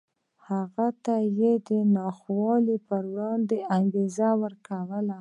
هغه ته یې د ناخوالو په وړاندې انګېزه ورکوله